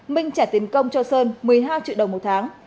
minh trả tiền công cho sơn một mươi hai triệu đồng một tháng